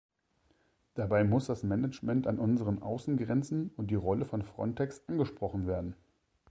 Dabei muss das Management an unseren Außengrenzen und die Rolle von Frontex angesprochen werden.